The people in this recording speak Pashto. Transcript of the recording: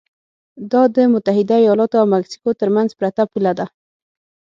دا د متحده ایالتونو او مکسیکو ترمنځ پرته پوله ده.